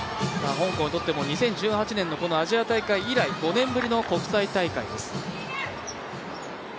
香港にとっても２０１８年のアジア大会以来５年ぶりの国際大会です。